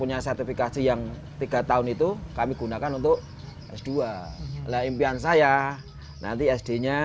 nanti kesemua sudah menyusun